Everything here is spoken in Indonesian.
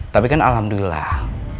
tapi kan alhamdulillah